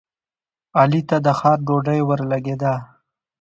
علي ته د ښار ډوډۍ ورلګېده.